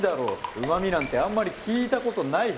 うまみなんてあんまりきいたことないぞ。